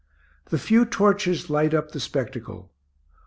The few torches light up the spectacle.